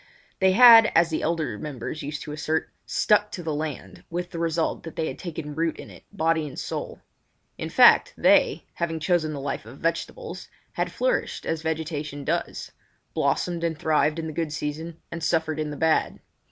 They had, as the elder members used to assert, "stuck to the land", with the result that they had taken root in it, body and soul. In fact, they, having chosen the life of vegetables, had flourished as vegetation does—blossomed and thrived in the good season and suffered in the bad.